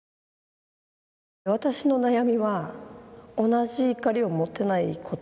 私の悩みは同じ怒りを持てないこと。